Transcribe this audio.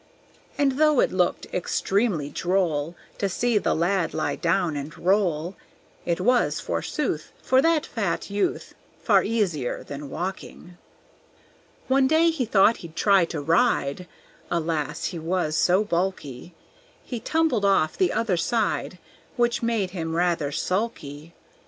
And though it looked extremely droll To see the lad lie down and roll, It was, forsooth, For that fat youth Far easier than walking. One day he thought he'd try to ride; Alas, he was so bulky, He tumbled off the other side, Which made him rather sulky.